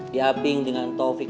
ya bing dengan taufik